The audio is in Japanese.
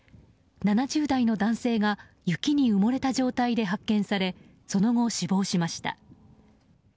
７０代の男性が雪に埋もれた状態で発見されその後、死亡しました。